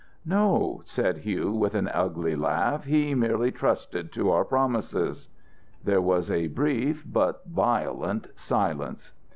"No," said Hugh, with an ugly laugh, "he merely trusted to our promises." There was a brief but violent silence.